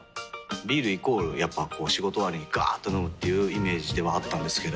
ビールイコールやっぱこう仕事終わりにガーっと飲むっていうイメージではあったんですけど。